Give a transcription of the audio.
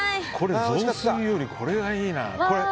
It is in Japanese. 雑炊よりこれがいいな。